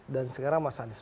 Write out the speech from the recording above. dan sekarang mas anies